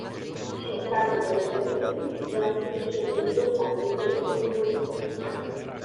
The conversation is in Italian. Scioccato dagli accadimenti, John finisce per rigettare le teorie rivoluzionarie.